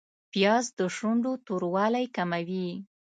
پیاز د شونډو توروالی کموي